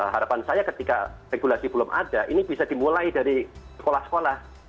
harapan saya ketika regulasi belum ada ini bisa dimulai dari sekolah sekolah